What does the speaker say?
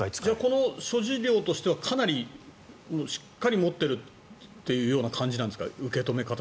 この所持量としてはかなりしっかり持っているっていう感じなんですか？